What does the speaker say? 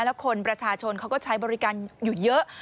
แล้วคนประชาชนเขาก็ใช้บริการอยู่เยอะ